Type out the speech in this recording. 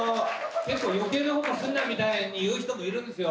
結構「余計なことすんなよ」みたいに言う人もいるんですよ